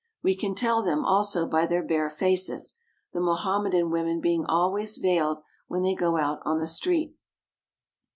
We can tell them, also, by their bare faces, the Mohammedan women being always veiled when they go out on the street.